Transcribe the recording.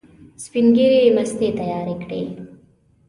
سپین ږیري مستې تیارې کړې.